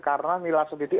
karena nilai setidik